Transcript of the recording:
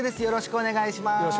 よろしくお願いします